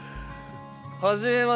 はじめまして。